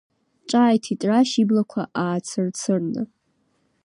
Ҿааиҭит Рашь иблақәа аацыр-цырны.